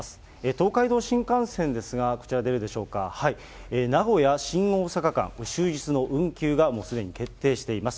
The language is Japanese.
東海道新幹線ですが、こちら出るでしょうか、名古屋・新大阪間、これ、終日の運休がもうすでに決定しています。